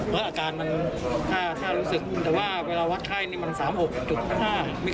ผ่านไปสักอาทิตย์หนึ่งอะไรแบบนี้